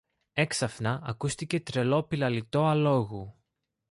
Έξαφνα ακούστηκε τρελό πηλαλητό αλόγου.